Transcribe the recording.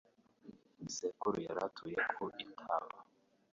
sekuru yari atuye ku Itaba: